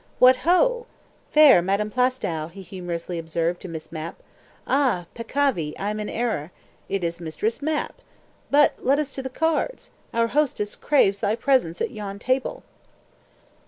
"What ho! fair Madam Plaistow," he humorously observed to Miss Mapp. "Ah! Peccavi! I am in error. It is Mistress Mapp. But let us to the cards! Our hostess craves thy presence at yon table."